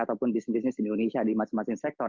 ataupun bisnis bisnis di indonesia di masing masing sektor